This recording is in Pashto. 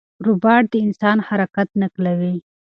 روباټ د انسان حرکت نقلوي.